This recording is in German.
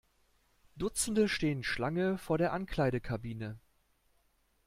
Dutzende stehen Schlange vor der Ankleidekabine.